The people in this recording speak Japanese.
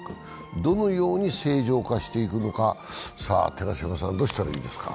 どのように正常化していくのか、寺島さん、どうしたらいいですか？